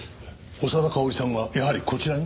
長田かおりさんはやはりこちらに？